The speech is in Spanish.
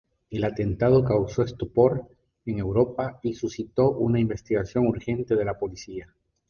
El atentado causó estupor en Europa y suscitó una investigación urgente de la policía.